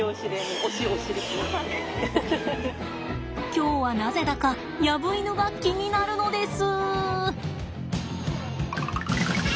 今日はなぜだかヤブイヌが気になるのです。